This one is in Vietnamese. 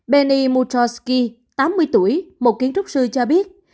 benny mutoski tám mươi tuổi một kiến trúc sư cho biết